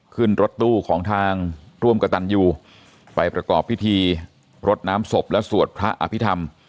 ขึ้นรถตู้ของทางร่วมกระตันยูไปประกอบพิธีรดน้ำศพและสวดพระอภิษฐรรม